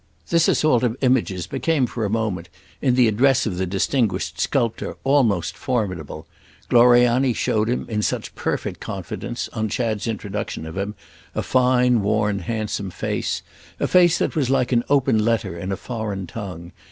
This assault of images became for a moment, in the address of the distinguished sculptor, almost formidable: Gloriani showed him, in such perfect confidence, on Chad's introduction of him, a fine worn handsome face, a face that was like an open letter in a foreign tongue.